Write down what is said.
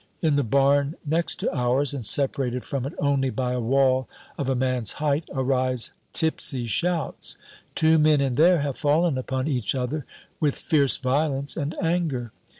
In the barn next to ours, and separated from it only by a wall of a man's height, arise tipsy shouts. Two men in there have fallen upon each other with fierce violence and anger.